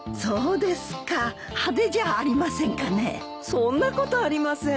そんなことありません。